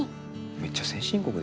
めっちゃ先進国ですもんね。